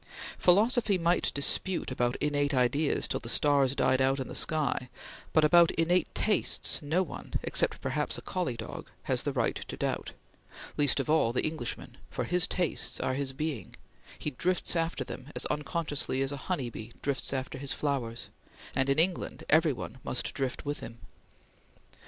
Philosophy might dispute about innate ideas till the stars died out in the sky, but about innate tastes no one, except perhaps a collie dog, has the right to doubt; least of all, the Englishman, for his tastes are his being; he drifts after them as unconsciously as a honey bee drifts after his flowers, and, in England, every one must drift with him.